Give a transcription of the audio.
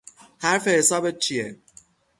حرف حسابت چیه؟